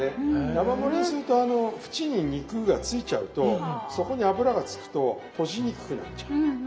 山盛りにすると縁に肉が付いちゃうとそこに脂が付くと閉じにくくなっちゃう。